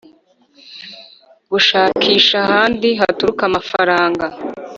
Gushakisha ahandi haturuka amafaranga